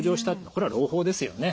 これは朗報ですよね。